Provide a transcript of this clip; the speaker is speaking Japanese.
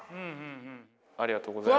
ありがとうございます。